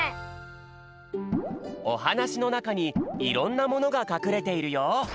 おはなしのなかにいろんなものがかくれているよ。